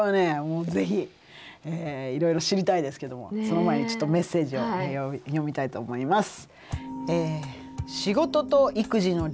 もう是非いろいろ知りたいですけどもその前にちょっとメッセージを読みたいと思います。